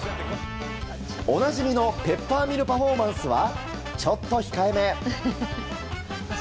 おなじみのペッパーミルパフォーマンスはちょっと控えめ。